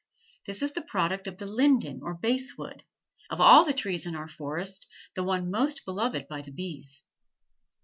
This is the product of the linden or basswood, of all the trees in our forest the one most beloved by the bees.